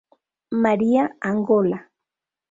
María Angola.